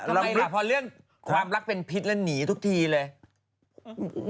ทำไมล่ะพอเรื่องความรักเป็นพิษและหนีทุกทีเลย